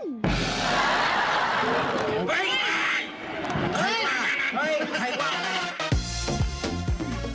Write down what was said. เฮ้ยใครว่ะ